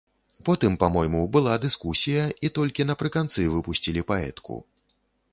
Потым, па-мойму, была дыскусія, і толькі напрыканцы выпусцілі паэтку.